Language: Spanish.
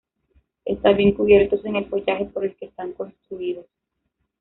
Están bien cubiertos en el follaje por el que están construidos.